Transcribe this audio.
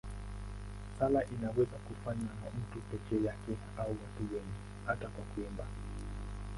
Sala inaweza kufanywa na mtu peke yake au na wengi pamoja, hata kwa kuimba.